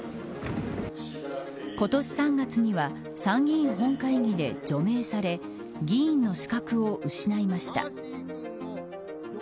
今年３月には参議院本会議で除名され議員の資格を失いました。